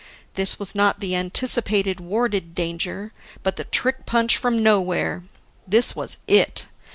This was not the anticipated, warded danger, but the trick punch from nowhere. This was It.